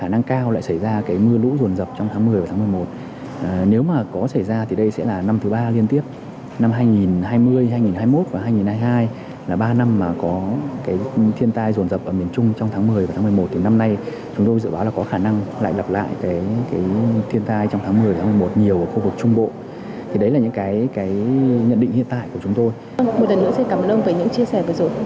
hãy đăng ký kênh để ủng hộ kênh của mình nhé